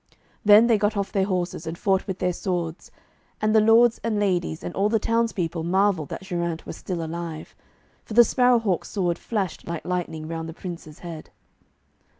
Then they got off their horses, and fought with their swords. And the lords and ladies and all the townspeople marvelled that Geraint was still alive, for the Sparrow hawk's sword flashed like lightning round the Prince's head.